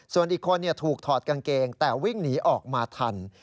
ส่วนอีกคนถูกถอดกางเกงแต่วิ่งหนีออกมาทัน